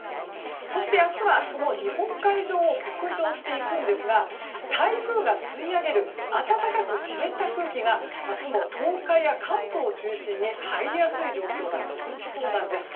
そして明日は、その日本海上を北上していくんですが台風が吸い上げる暖かく湿った空気が明日も東海や関東を中心に入りやすい状況が続きそうなんです。